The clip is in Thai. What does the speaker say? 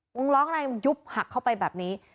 งุ้งร้องในมันยุบหักเข้าไปแบบนี้